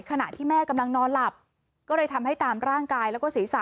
ขณะที่แม่กำลังนอนหลับก็เลยทำให้ตามร่างกายแล้วก็ศีรษะ